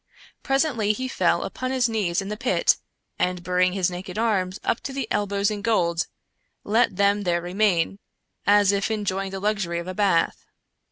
Presently he fell upon his knees in the pit, and burying his naked arms up to the elbows in gold, let them there remain, as if enjoying the luxury of a bath.